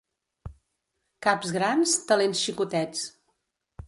Caps grans, talents xicotets.